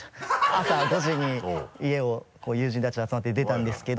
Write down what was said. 朝５時に家を友人たちと集まって出たんですけど。